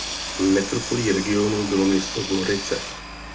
Metropolí regionu bylo město Gorice.